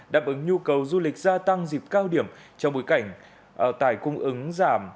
đáp ứng nhu cầu du lịch gia tăng dịp cao điểm trong bối cảnh tài cung ứng giảm